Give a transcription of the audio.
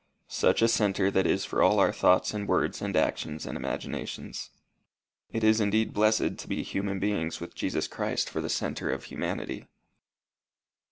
Such a centre that is for all our thoughts and words and actions and imaginations! It is indeed blessed to be human beings with Jesus Christ for the centre of humanity.